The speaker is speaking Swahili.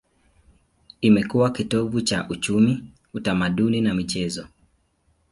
Imekuwa kitovu cha uchumi, utamaduni na michezo.